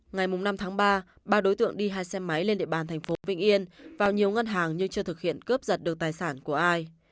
ngày năm tháng ba ba đối tượng đi hai xe máy lên địa bàn thành phố vĩnh yên vào nhiều ngân hàng nhưng chưa thực hiện cướp giật được tài sản của ai